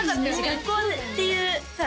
学校っていうさ